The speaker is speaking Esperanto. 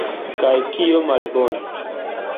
Kaj kio malbone?